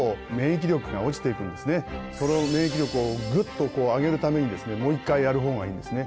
その免疫力をグッと上げるためにもう１回やるほうがいいんですね。